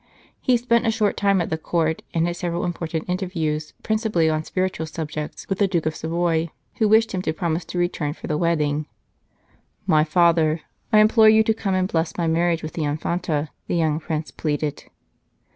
He spent a short time at the Court, and had several important interviews, principally on spiritual subjects, with the Duke of Savoy, who wished him to promise to return .for_ the wedding. "My Father, I implore you to come and bless my marriage with the Infanta," the young Prince pleaded.